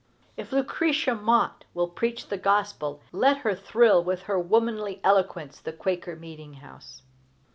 If Lucretia Mott will preach the Gospel, let her thrill with her womanly eloquence the Quaker meeting house.